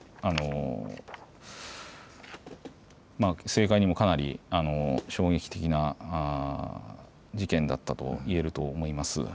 政界にもかなり衝撃的な事件だったといえると思います。